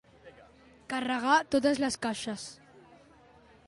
Carregar totes les caixes.